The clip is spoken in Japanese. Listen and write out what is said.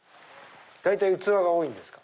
大体器が多いんですか？